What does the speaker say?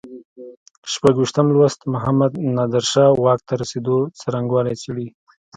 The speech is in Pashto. شپږویشتم لوست محمد نادر شاه واک ته رسېدو څرنګوالی څېړي.